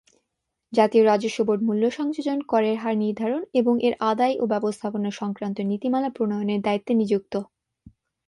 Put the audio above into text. জাতীয় রাজস্ব বোর্ড মূল্য সংযোজন করের হার নির্ধারণ এবং এর আদায় ও ব্যবস্থাপনা সংক্রান্ত নীতিমালা প্রণয়নের দায়িত্বে নিযুক্ত।